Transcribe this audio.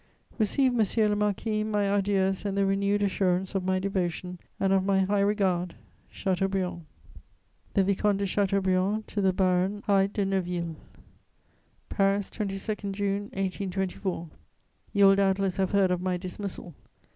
"Receive, monsieur le marquis, my adieus and the renewed assurance of my devotion and of my high regard. "CHATEAUBRIAND." THE VICOMTE DE CHATEAUBRIAND TO THE BARON HYDE DE NEUVILLE "PARIS, 22 June 1824. "You will doubtless have heard of my dismissal.